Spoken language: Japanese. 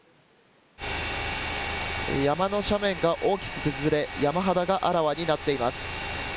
山の斜面が大きく崩れ山肌があらわになっています。